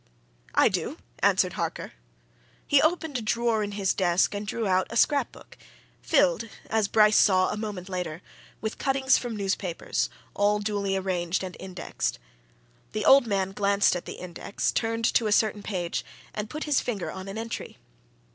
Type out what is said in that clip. "I do!" answered Harker. He opened a drawer in his desk and drew out a scrap book, filled, as Bryce saw a moment later, with cuttings from newspapers, all duly arranged and indexed. The old man glanced at the index, turned to a certain page, and put his finger on an entry.